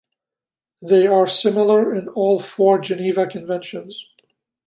They are similar in all four Geneva Conventions.